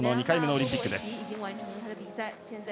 ２回目のオリンピックです。